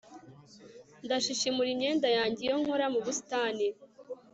Ndashishimura imyenda yanjye iyo nkora mu busitani